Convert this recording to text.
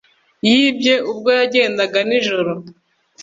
yibwe ubwo yagendaga nijoro.